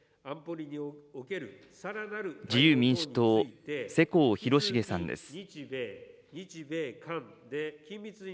自由民主党、世耕弘成さんです。